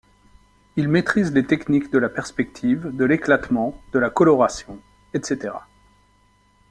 Il maîtrise les techniques de la perspective, de l'éclatement, de la coloration, etc.